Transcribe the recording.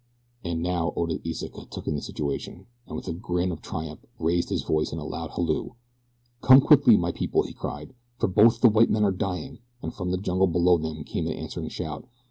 And now Oda Iseka took in the situation, and with a grin of triumph raised his voice in a loud halloo. "Come quickly, my people!" he cried; "for both the white men are dying," and from the jungle below them came an answering shout.